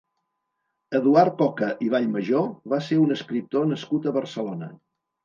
Eduard Coca i Vallmajor va ser un escriptor nascut a Barcelona.